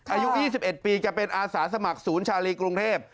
อายุ๒๑ปีแกเป็นอาสาสมัครศูนย์ชาลีกรุงเทพ